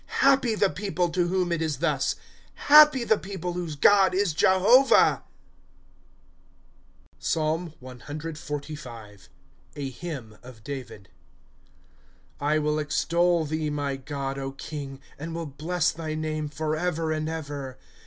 ^^ Happy the people to whom it is thus ; Happy the people whose God is Jehovah ! PSALM OXLT. A Hyma of David. ^ I 'WILL extol thee my God, king, And will bless thy name forever and ever.